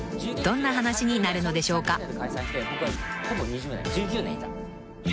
［どんな話になるのでしょうか？］